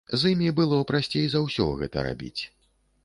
З імі было прасцей за ўсё гэта рабіць.